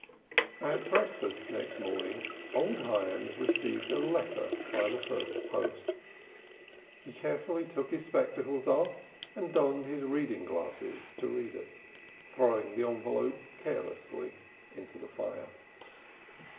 At breakfast next morning old Hyams received a letter by the first post. He carefully took his spectacles off and donned his reading glasses to read it, throwing the envelope carelessly into the fire.